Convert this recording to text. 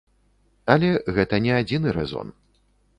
Але гэта не адзіны рэзон.